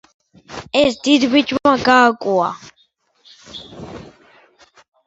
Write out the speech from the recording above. ობი-ვანი არის ლუკ სკაიუოკერის მასწავლებელი, რომელიც მას ჯედაის ხელოვნების ათვისებას ასწავლის.